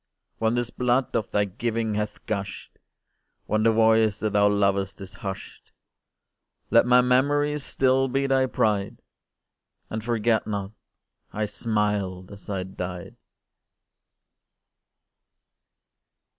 When this blood of thy giving hath gush'd, When the voice that thou lovest is hush'd, Let my memory still be thy pride, And forget not I smiled as I died!